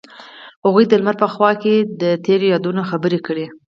هغوی د لمر په خوا کې تیرو یادونو خبرې کړې.